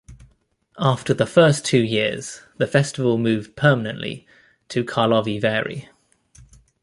After the first two years the festival moved permanently to Karlovy Vary.